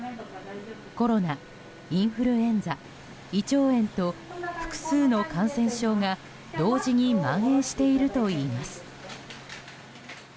コロナ、インフルエンザ胃腸炎と複数の感染症が同時に蔓延しているといいます。